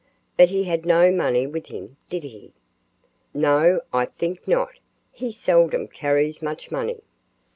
"But he had no money with him, did he?" "No, I think not. He seldom carries much money."